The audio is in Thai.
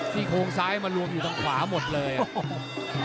ซี่โครงซ้ายมารวมอยู่ทางขวาหมดเลยอ่ะโอ้โห